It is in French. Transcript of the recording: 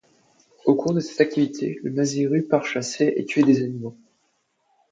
Au cours de cette activité, le mazzeru part chasser et tuer des animaux.